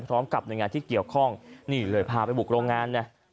พร้อมกับหน่วยงานที่เกี่ยวข้องนี่เลยพาไปบุกโรงงานเนี่ย